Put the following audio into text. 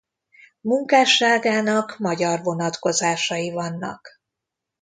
Munkásságának magyar vonatkozásai vannak.